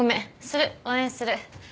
する応援する。